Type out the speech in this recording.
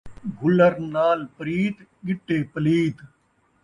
گلّر نال پریت ، ڳٹے پلیت